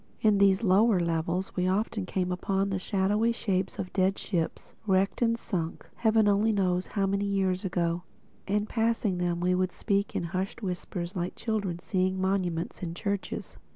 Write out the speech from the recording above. In these lower levels we often came upon the shadowy shapes of dead ships, wrecked and sunk Heaven only knows how many years ago; and passing them we would speak in hushed whispers like children seeing monuments in churches.